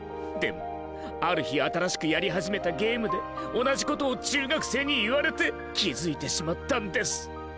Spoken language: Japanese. でもある日新しくやり始めたゲームで同じことを中学生に言われて気付いてしまったんです。